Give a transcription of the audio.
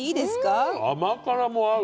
甘辛も合う。